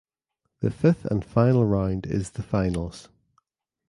The fifth and final round is the finals.